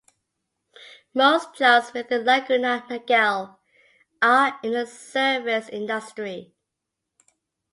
Most jobs within Laguna Niguel are in the service industry.